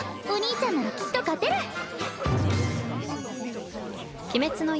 お兄ちゃんならきっと勝てる！